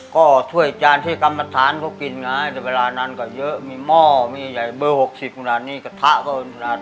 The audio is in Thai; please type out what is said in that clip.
ก็ถ้วยจานที่กรรมฐานเขากินไงแต่เวลานั้นก็เยอะมีหม้อมีอะไรเบอร์๖๐ขนาดนี้กระทะก็นาน